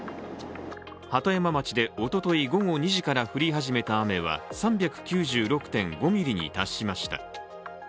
鳩山町でおととい午後２時から降り始めた雨は３９６．５ミリに達しました。